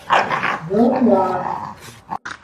Йоҡла.